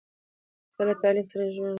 زه له تعلیم سره ژوره مینه لرم.